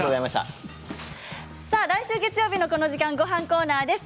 来週月曜日のこの時間ごはんコーナーです